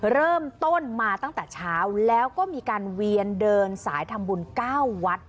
เริ่มต้นมาตั้งแต่เช้าแล้วก็มีการเวียนเดินสายทำบุญ๙วัด